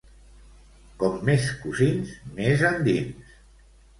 Com més cosins més endins